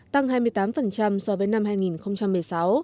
tăng hai mươi tám so với năm hai nghìn một mươi sáu